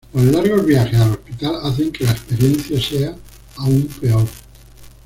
Los largos viajes al hospital hacen que la experiencia sea aún peor.